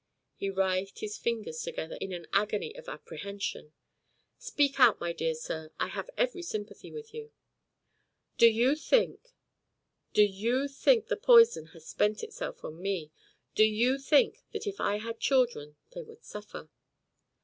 He writhed his fingers together in an agony of apprehension. "Speak out, my dear sir. I have every sympathy with you." "Do you think do you think the poison has spent itself on me? Do you think that if I had children they would suffer?"